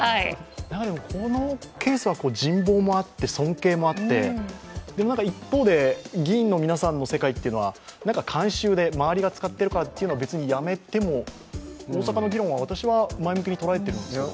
このケースは人望もあって、尊敬もあって、でも、一方で議員の皆さんの世界っていうのは慣習で周りが使ってるからというので別にやめても、大阪の議論は私は前向きに捉えているんですけど。